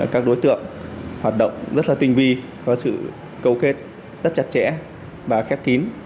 các đối tượng hoạt động rất tinh vi có sự cấu kết rất chặt chẽ và khép kín